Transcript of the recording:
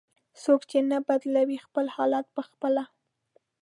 "څوک چې نه بدلوي خپل حالت په خپله".